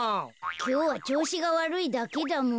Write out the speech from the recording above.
きょうはちょうしがわるいだけだもん。